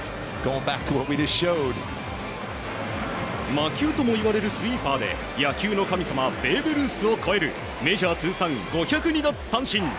魔球ともいわれるスイーパーで野球の神様ベーブ・ルースを超えるメジャー通算５０２奪三振。